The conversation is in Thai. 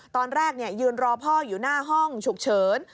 ตอนแรกยืนรอพ่ออยู่หน้าห้องฉุกเฉิน